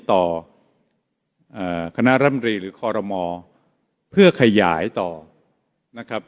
ต่อคณะรำรีหรือคอรมอเพื่อขยายต่อนะครับ